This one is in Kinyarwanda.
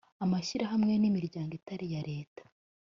amashyirahamwe n’imiryango itari iya leta